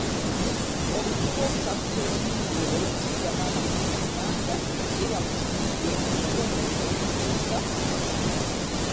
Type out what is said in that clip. Obukulu bw’okutaputa ekiyiiye olw’okukiggyamu amakulu kubanga ebiba mu kiyiiye bubonero obukutuusa ku makulu.